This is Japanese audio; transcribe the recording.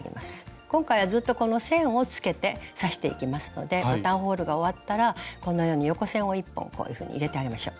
今回はずっとこの線をつけて刺していきますのでボタンホールが終わったらこのように横線を１本こういうふうに入れてあげましょう。